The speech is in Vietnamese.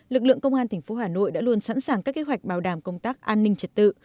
lực lượng công an tp hà nội đã luôn sẵn sàng các kế hoạch bảo đảm công tác an ninh trật tự